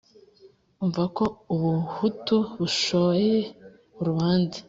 umva ko u buhutu bushoye urubanza,